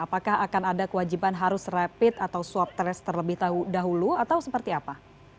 apakah akan ada kewajiban harus rapid atau swab test terlebih dahulu atau seperti apa